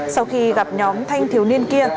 sau khi gặp nhóm thanh thiếu niên kia